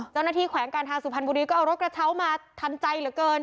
เจ้าหน้าที่แขวงการทางสุภัณฑ์บุรีก็เอารถกระเท้ามาทันใจเหลือเกิน